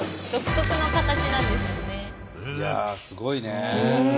いやあすごいね。